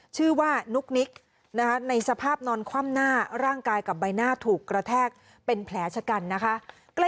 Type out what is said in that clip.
ชื่อว่านุกนิกในสภาพนอนคว่ำหน้าร่างกายกับใบหน้าถูกกระแทกเป็นแผลชะกันนะคะ